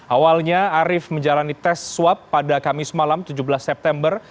awalnya arief menjalani tes swab pada kamis malam tujuh belas september